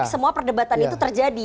semua perdebatan itu terjadi